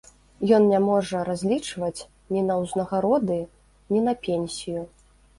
Ён не можа разлічваць ні на ўзнагароды, ні на пенсію.